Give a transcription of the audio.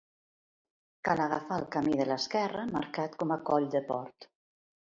Cal agafar el camí de l'esquerre marcat com Coll de Port.